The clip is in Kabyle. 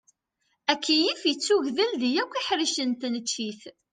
Akeyyef ittugdel di yakk iḥricen n tneččit.